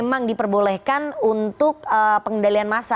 yang diperbolehkan untuk pengendalian masa